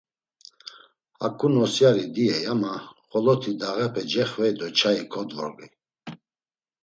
Haǩu nosyari diyey ama xoloti dağepe cexvey do çayi kodvorgey.